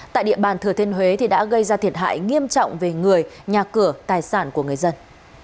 tại địa bàn thừa thiên huế đã gây ra thiệt hại nghiêm trọng về người nhà cửa tài sản của người dân